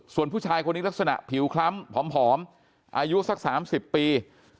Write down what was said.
ส่วนผู้ชายคนนี้ลักษณะผิวคล้ำผอมอายุสัก๓๐ปี